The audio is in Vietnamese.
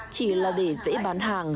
chỉ là để dễ bán hàng